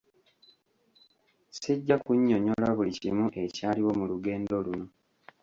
Sijja kunnyonnyola buli kimu ekyaliwo mu lugendo luno.